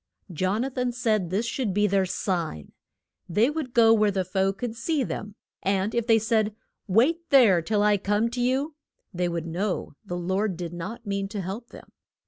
Jon a than said this should be their sign: They would go where the foe could see them, and if they said, Wait there till I come to you, they would know the Lord did not mean to help them.